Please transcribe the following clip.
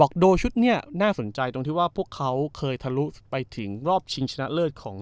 โดชุดนี้น่าสนใจตรงที่ว่าพวกเขาเคยทะลุไปถึงรอบชิงชนะเลิศของ